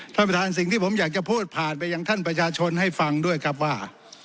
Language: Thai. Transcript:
ท่านประธานสิ่งที่ผมอยากจะพูดผ่านไปยังท่านประชาชนให้ฟังด้วยครับว่า